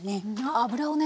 油をね